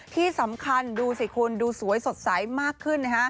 ที่สำคัญดูสิคุณดูสวยสดใสมากขึ้นนะฮะ